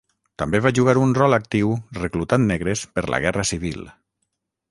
També va jugar un rol actiu reclutant negres per la Guerra Civil.